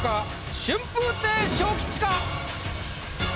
春風亭昇吉か？